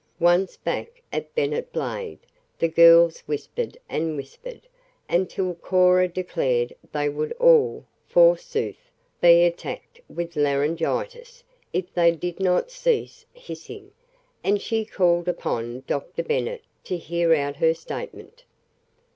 Once back at Bennet Blade the girls whispered and whispered, until Cora declared they would all, forsooth, be attacked with laryngitis, if they did not cease "hissing," and she called upon Doctor Bennet to bear out her statement.